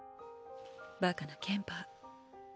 馬鹿なケンパー。